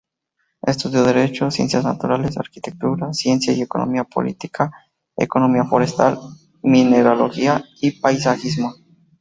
Estudió derecho, ciencias naturales, arquitectura, ciencia y economía política, economía forestal, mineralogía y paisajismo.